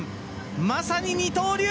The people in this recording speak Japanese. まさに二刀流！